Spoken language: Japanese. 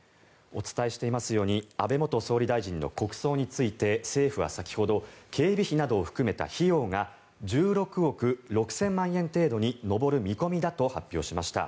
お伝えしていますように安倍元総理大臣の国葬について政府は先ほど警備費などを含めた費用が１６億６０００万円程度に上る見込みだと発表しました。